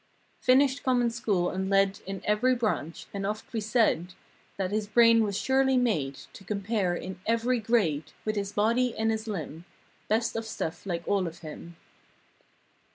Finished common school and led In every branch. And oft we've said That his brain was surely made To compare in every grade With his body and his limb— Best of stuff like all of him.